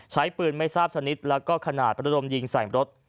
ใช้ปืนไม่ทราบชนิดแล้วก็ขนาดประดมยิงใส่รถ